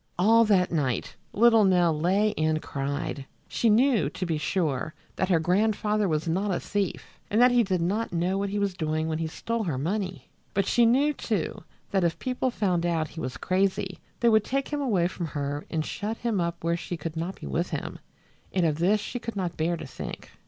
All that night little Nell lay and cried. She knew, to be sure, that her grandfather was not a thief and that he did not know what he was doing when he stole her money; but she knew, too, that if people found out he was crazy they would take him away from her and shut him up where she could not be with him, and of this she could not bear to think.